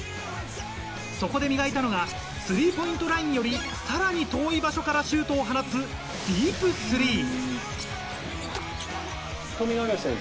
そこで磨いたのがスリーポイントラインよりさらに遠い場所からシュートを放つディープスリー。